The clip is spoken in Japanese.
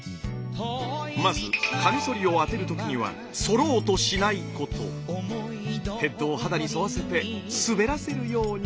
まずカミソリを当てる時にはヘッドを肌に沿わせて滑らせるように。